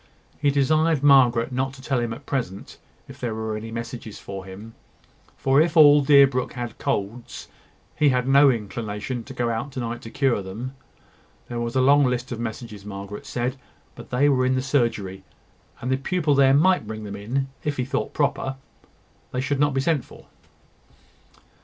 He desired Margaret not to tell him at present if there were any messages for him; for, if all Deerbrook had colds, he had no inclination to go out to night to cure them. There was a long list of messages, Margaret said, but they were in the surgery; and the pupil there might bring them in, if he thought proper: they should not be sent for.